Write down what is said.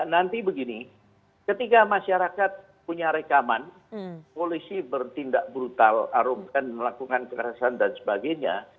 nanti begini ketika masyarakat punya rekaman polisi bertindak brutal arugan melakukan kekerasan dan sebagainya